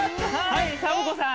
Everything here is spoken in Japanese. はいサボ子さん。